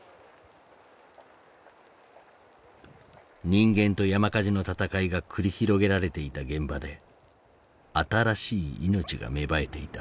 人間と山火事の闘いが繰り広げられていた現場で新しい命が芽生えていた。